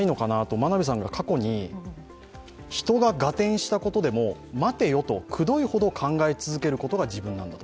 真鍋さんが過去に人が合点したことでも、待てよとくどいほど考え続けることが自分なんだと。